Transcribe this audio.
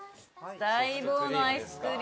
待望のアイスクリーム。